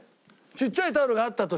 ちっちゃいタオルがあったとしても。